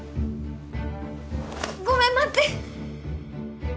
ごめん待って！